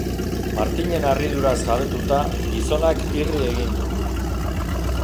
Martinen harriduraz jabetuta gizonak irri egin du.